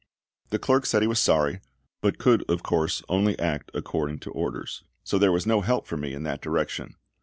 The clerk said he was sorry, but could of course only act according to orders; so there was no help for me in that direction.